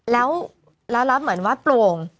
แล้วแล้วแล้วเหมือนว่าโปร่ง